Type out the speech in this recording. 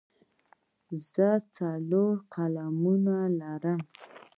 زه څلور قلمونه لرم.